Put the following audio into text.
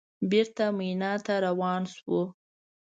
بېرته مینا ته راروان شوو.